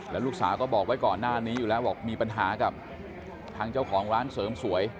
แล้วลูกสาวก็บอกไว้ก่อนหน้านี้อยู่แล้วบอกมีปัญหากับทางเจ้าของร้านเสริมสวย